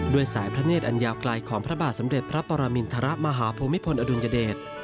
ด้วยสายพระเนธอันยาวไกลของพระบาทสมเด็จพระปรมินทรมาฮภูมิพลอดุลยเดช